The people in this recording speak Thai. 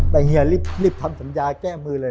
แต่เฮียรีบทำสัญญาแก้มือเลย